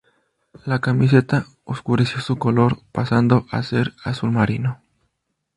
La camiseta oscureció su color, pasando a ser azul marino.